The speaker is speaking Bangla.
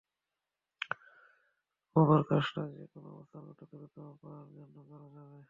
গুগল ম্যাপসে দূরত্ব মাপার কাজটা যেকোনো অবস্থানগত দূরত্ব মাপার জন্য করা যাবে।